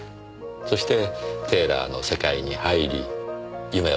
そしてテーラーの世界に入り夢をかなえられた。